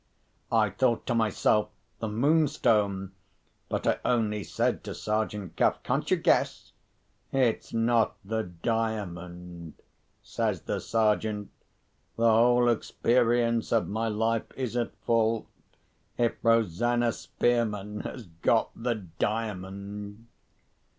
I thought to myself, "The Moonstone!" But I only said to Sergeant Cuff, "Can't you guess?" "It's not the Diamond," says the Sergeant. "The whole experience of my life is at fault, if Rosanna Spearman has got the Diamond."